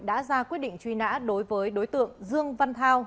đã ra quyết định truy nã đối với đối tượng dương văn thao